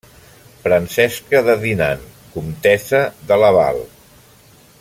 Francesca de Dinan, comtessa de Laval.